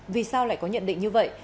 vì sao lại có nhận định như vậy